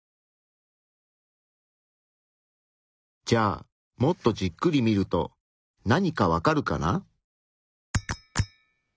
じゃあもっとじっくり見ると何かわかるかな？